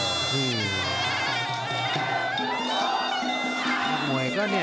ไม่เป็นไรนะแถมบังไซด์ยังเหลืออีก๒